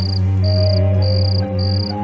sampai jumpa lagi